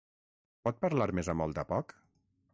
Pot parlar més a molt a poc?